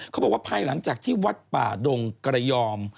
เขาบอกว่าภายหลังจากที่วัดป่าดงกระยอม